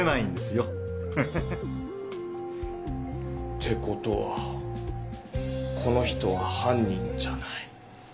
て事はこの人は犯人じゃない。